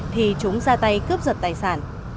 thì chúng ra tay cướp giật tài sản